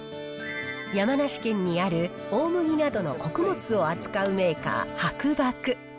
山梨県にある大麦などの穀物を扱うメーカー、はくばく。